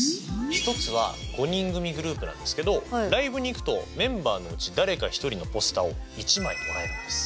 １つは５人組グループなんですけどライブに行くとメンバーのうち誰か１人のポスターを１枚もらえるんです。